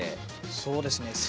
そうですね。